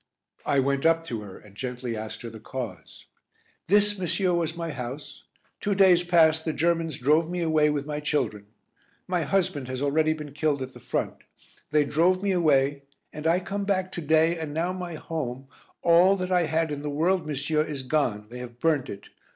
I went up to her and gently asked her the cause. "This, monsieur, was my house. Two days past the Germans drove me away with my children. My husband has already been killed at the front. They drove me away, and I come back to day and now my home, all that I had in the world, monsieur, is gone. They have burnt it.